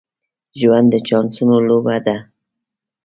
ژوند د چانسونو لوبه ده.